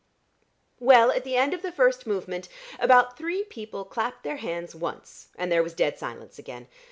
Well, at the end of the first movement, about three people clapped their hands once, and there was dead silence again.